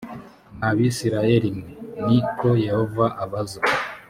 mwa bisirayeli mwe ni ko yehova abaza